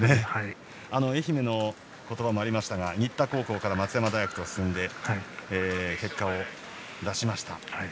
愛媛の言葉もありましたが新田高校から松山大学に進んで結果を出しました。